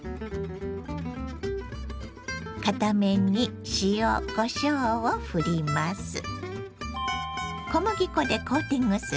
片面に塩こしょうをふります。